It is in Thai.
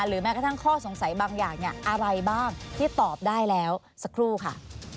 แม้กระทั่งข้อสงสัยบางอย่างเนี่ยอะไรบ้างที่ตอบได้แล้วสักครู่ค่ะ